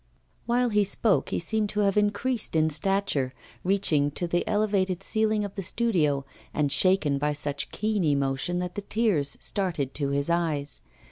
While he spoke he seemed to have increased in stature, reaching to the elevated ceiling of the studio, and shaken by such keen emotion that the tears started to his eyes.